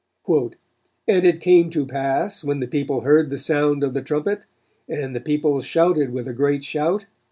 "And it came to pass, when the people heard the sound of the trumpet, and the people shouted with a great shout